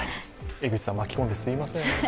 江口さん、巻き込んですいません。